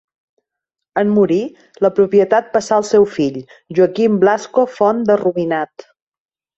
En morir, la propietat passà al seu fill, Joaquim Blasco Font de Rubinat.